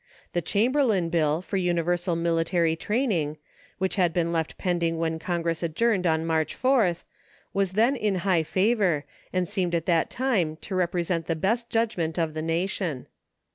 The Chamberlain bill for universal military training, which had been left pending when Congress adjourned on March 4th, was then in high favor and seemed at that time to represent the best judgment of the nation.